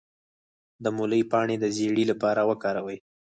د مولی پاڼې د زیړي لپاره وکاروئ